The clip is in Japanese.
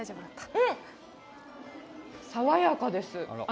うん、爽やかです。